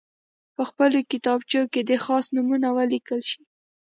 په خپلو کتابچو کې دې خاص نومونه ولیکل شي.